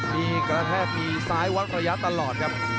มีกระแทกมีซ้ายวัดระยะตลอดครับ